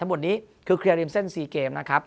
ทั้งหมดนี้คือเคลียร์ริมเส้นซีเกมนะครับ